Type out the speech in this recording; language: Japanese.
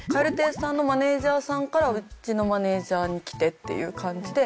蛙亭さんのマネジャーさんからうちのマネジャーにきてっていう感じで。